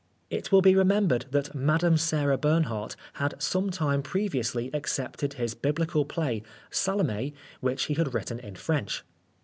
It will be remembered that Madame Sarah Bernhardt had some time previously accepted his Biblical play, Salomt, which he had written in French.